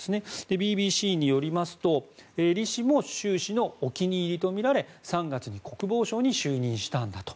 ＢＢＣによりますとリ氏も習氏のお気に入りとみられ３月に国防相に就任したんだと。